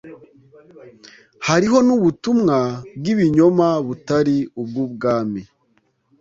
hariho n’ubutumwa bw’ibinyoma butari ubw’Ubwami.